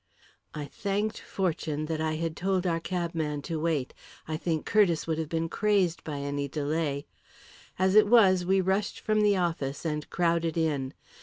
I thanked fortune that I had told our cabman to wait; I think Curtiss would have been crazed by any delay. As it was, we rushed from the office and crowded in.